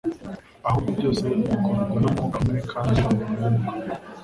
ahubwo byose bikorwa n'Umwuka umwe kandi uwo Mwuka